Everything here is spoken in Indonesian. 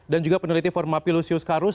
dan juga peneliti formapi lusius karus